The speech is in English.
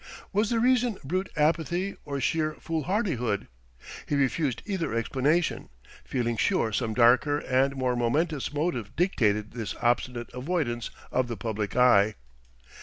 Was the reason brute apathy or sheer foolhardihood? He refused either explanation, feeling sure some darker and more momentous motive dictated this obstinate avoidance of the public eye.